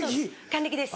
還暦です。